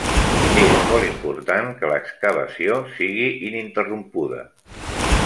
És molt important que l'excavació sigui ininterrompuda.